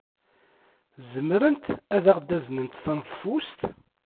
Zemrent ad aɣ-d-aznent taneḍfust?